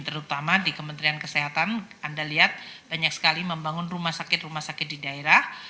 terutama di kementerian kesehatan anda lihat banyak sekali membangun rumah sakit rumah sakit di daerah